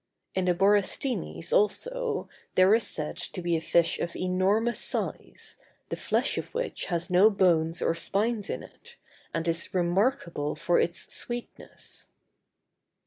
In the Borysthenes, also, there is said to be a fish of enormous size, the flesh of which has no bones or spines in it, and is remarkable for its sweetness.